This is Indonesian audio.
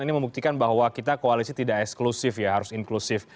ini membuktikan bahwa kita koalisi tidak eksklusif ya harus inklusif